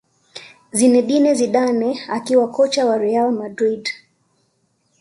zinedine zidane akiwa kocha wa real madrid